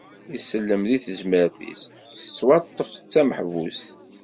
Isellem di tezmert-is, tettwaṭṭef d tameḥbust.